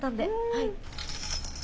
はい。